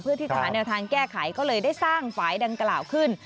เพื่อที่การแก้ไขก็เลยได้สร้างฝ่ายดังกล่าลขึ้น